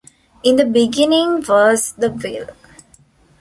In the beginning was the will.